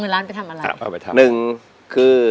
๑ล้านบาทไม่ยาก